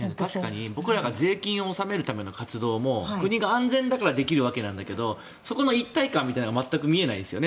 僕らが税金を納めるための活動も国が安全だからできるわけなんだけどそこの一体感みたいなのが全く見えないですよね。